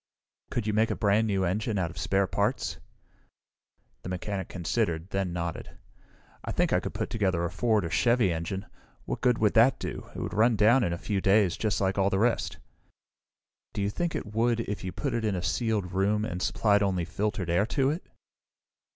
"Could you make a brand new engine out of spare parts?" The mechanic considered, then nodded. "I think I could put together a Ford or Chevy engine. What good would that do? It would run down in a few days, just like all the rest." "Do you think it would, if you put it in a sealed room, and supplied only filtered air to it?"